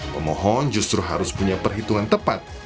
pemohon justru harus punya perhitungan tepat